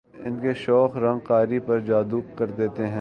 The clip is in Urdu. ان کے شوخ رنگ قاری پر جادو کر دیتے ہیں